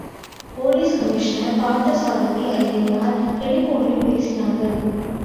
Police commissioner Parthasarathy Iyengar டெலிபோனில் பேசினார்கள்.